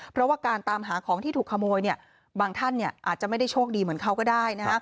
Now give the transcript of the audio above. เพราะว่าการตามหาของที่ถูกขโมยบางท่านอาจจะไม่ได้โชคดีเหมือนเขาก็ได้